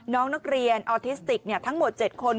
น้องนักเรียนออทิสติกทั้งหมด๗คน